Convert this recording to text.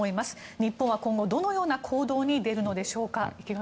日本は今後、どのような行動に出るのでしょうか。